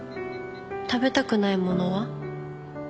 食べたくないものは？